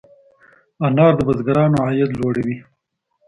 انار د بزګرانو عاید لوړوي.